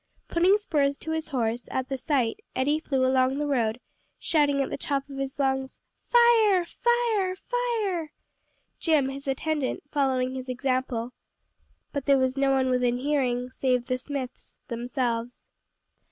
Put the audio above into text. Putting spurs to his horse, at the sight, Eddie flew along the road shouting at the top of his lungs, "Fire! fire! fire!" Jim, his attendant, following his example. But there was no one within hearing, save the Smiths themselves.